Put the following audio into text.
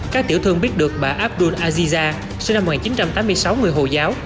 các tiểu thương biết được bà abdul aziza sinh năm một nghìn chín trăm tám mươi sáu người hồi giáo